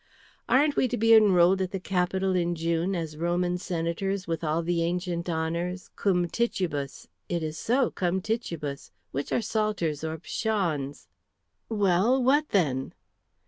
"Aren't we to be enrolled at the Capitol in June as Roman Senators with all the ancient honours, cum titubis it is so cum titubis, which are psalters or pshawms?" "Well, what then?"